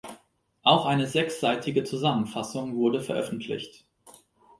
Auch eine sechsseitige Zusammenfassung wurde veröffentlicht.